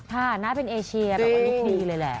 ค่ะน่าจะเป็นเอเชียแบบว่าดูดีเลยแหละ